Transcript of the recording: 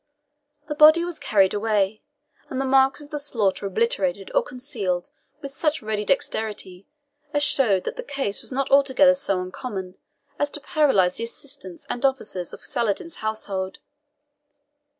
The body was carried away, and the marks of the slaughter obliterated or concealed with such ready dexterity, as showed that the case was not altogether so uncommon as to paralyze the assistants and officers of Saladin's household.